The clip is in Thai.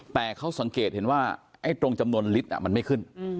แต่เขาสังเกตเห็นว่าตรงจำนวนลิตรมันไม่ขึ้น